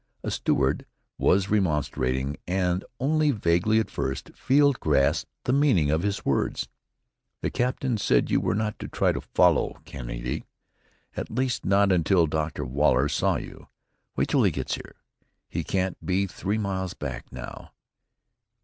A steward was remonstrating, and only vaguely at first, Field grasped the meaning of his words: "The captain said you were not to try to follow, Kennedy, at least not until Dr. Waller saw you. Wait till he gets here. He can't be three miles back now."